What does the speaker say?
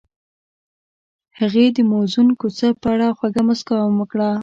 هغې د موزون کوڅه په اړه خوږه موسکا هم وکړه.